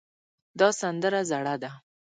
دا سندره زړه ده